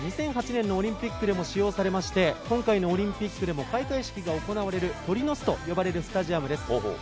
２００８年のオリンピックでも使用されまして今回のオリンピックでも開会式が行われる鳥の巣と呼ばれるスタジアム。